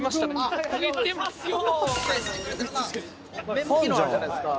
メモ機能あるじゃないですか。